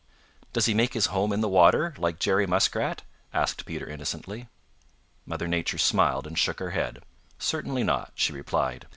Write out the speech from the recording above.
"Does he make his home in the water like Jerry Muskrat?" asked Peter innocently. Mother Nature smiled and shook her head. "Certainly not," she replied.